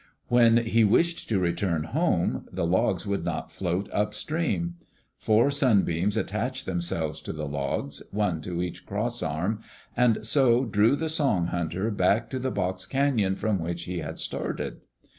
When he wished to return home, the logs would not float upstream. Four sunbeams attached themselves to the logs, one to each cross arm, and so drew the Song hunter back to the box canon from which he had started.